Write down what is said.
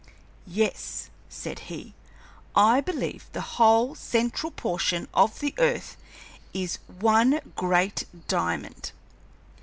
"Yes," said he, "I believe the whole central portion of the earth is one great diamond.